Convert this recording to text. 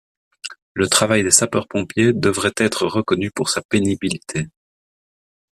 Le travail des sapeurs-pompiers devrait être reconnu pour sa pénibilité.